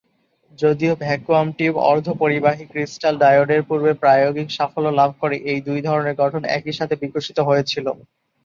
যদিও vacuum tube অর্ধপরিবাহী crystal ডায়োডের পূর্বে প্রায়োগিক সাফল্য লাভ করে, এ দুই ধরনের গঠন একই সাথে বিকশিত হয়েছিল।